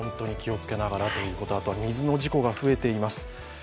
あとは水の事故が増えています。